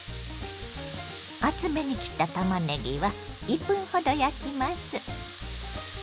厚めに切ったたまねぎは１分ほど焼きます。